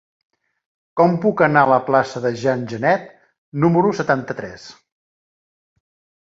Com puc anar a la plaça de Jean Genet número setanta-tres?